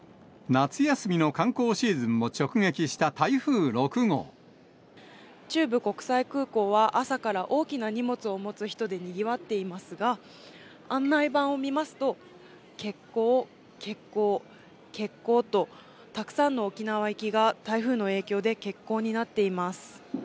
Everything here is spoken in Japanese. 夏休みの観光シーズンを直撃中部国際空港は、朝から大きな荷物を持つ人でにぎわっていますが、案内板を見ますと、欠航、欠航、欠航と、たくさんの沖縄行きが台風の影響で欠航になっています。